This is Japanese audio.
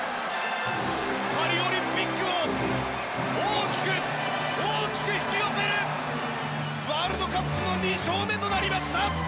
パリオリンピックを大きく大きく引き寄せるワールドカップの２勝目となりました。